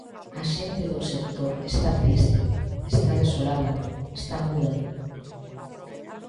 A xente do sector está triste, está desolada, está muda.